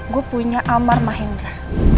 gue punya amar mahendra